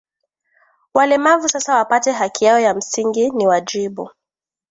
walemavu sasa wapate haki yao ya msingi ni wajibu